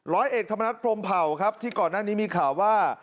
ร้อยเอกธรรมนัฐพรมเผ่าครับที่ก่อนหน้านี้มีข่าวว่า